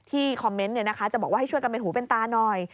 คอมเมนต์จะบอกว่าให้ช่วยกันเป็นหูเป็นตาหน่อย